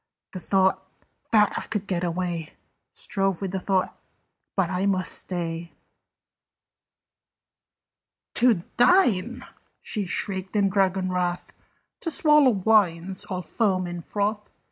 The thought "That I could get away!" Strove with the thought "But I must stay." "To dine!" she shrieked in dragon wrath. "To swallow wines all foam and froth!